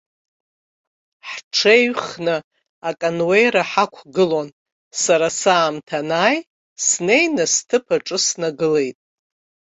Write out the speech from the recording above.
Ҳҽеиҩхны акануеира ҳақәгылон, сара саамҭа анааи, снеины сҭыԥ аҿы снагылеит.